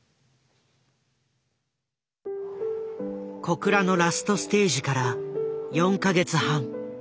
小倉のラストステージから４か月半。